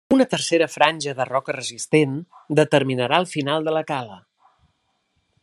Una tercera franja, de roca resistent, determinarà el final de la cala.